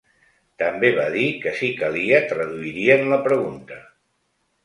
També va dir que, si calia, traduirien la pregunta.